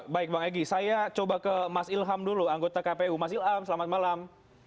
baik bang egy saya coba ke mas ilham dulu anggota kpu mas ilham selamat malam